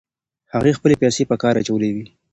هغې خپلې پیسې په کار اچولې وې.